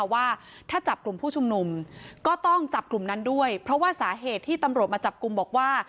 ว่าถ้าจับกลุ่มผู้ชุมนุมก็ต้องจับกลุ่มนั้นด้วยเพราะว่าสาเหตุที่ตำรวจมาจับกลุ่มบอกว่า